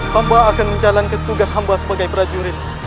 hamba akan menjalankan tugas hamba sebagai prajurit